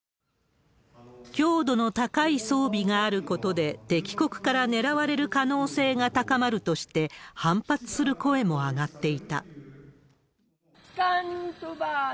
強度の高い装備があることで、敵国から狙われる可能性が高まるとして、反発する声も上がっていた。